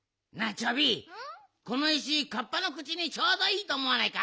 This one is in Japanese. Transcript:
チョビこの石カッパのくちにちょうどいいとおもわないか？